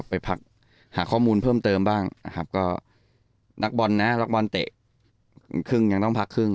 ไปพักหาข้อมูลเพิ่มเติมบ้างนะครับก็นักบอลนะนักบอลเตะครึ่งยังต้องพักครึ่ง